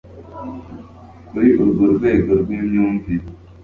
kuri urwo rwego rw'imyumvire